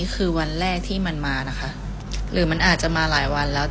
ใครจะกล้าออก